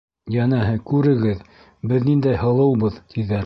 Йәнәһе: «Күрегеҙ, беҙ ниндәй һылыубыҙ!» -тиҙәр.